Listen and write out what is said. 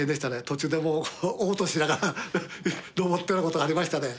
途中でもうおう吐しながら登ったようなことありましたね。